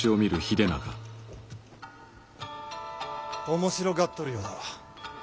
面白がっとるようだわ。